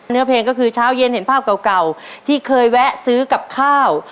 เนื้อเพลงก็คือเช้าเย็นเห็นภาพเก่าที่เคยแวะซื้อกับข้าว